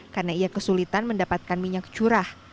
karena ia kesulitan mendapatkan minyak curah